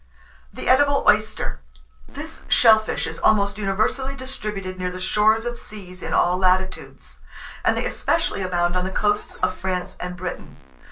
] THE EDIBLE OYSTER: This shell fish is almost universally distributed near the shores of seas in all latitudes, and they especially abound on the coasts of France and Britain.